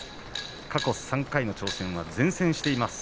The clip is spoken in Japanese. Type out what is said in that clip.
過去３回の挑戦は善戦しています。